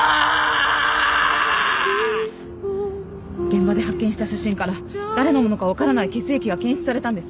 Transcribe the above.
現場で発見した写真から誰のものか分からない血液が検出されたんです。